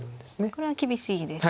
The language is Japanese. これは厳しいですね。